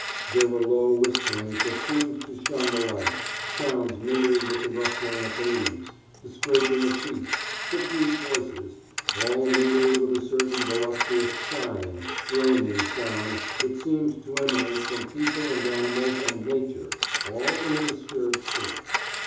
There were low whisperings that seemed to shun the light, sounds mingled with the rustling of the leaves, the scraping of feet, subdued voices, all mingled with a certain voluptuous, sighing, groaning sound that seemed to emanate from people and animals and nature, all in a disturbed sleep.